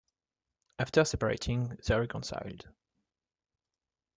After separating, they reconciled.